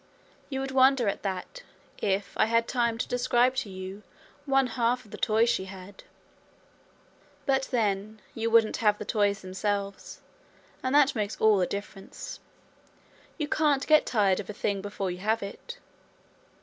You would wonder at that if I had time to describe to you one half of the toys she had. But then, you wouldn't have the toys themselves, and that makes all the difference: you can't get tired of a thing before you have it.